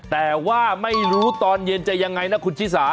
แต่ว่าไม่รู้ตอนเย็นจะยังไงนะคุณชิสา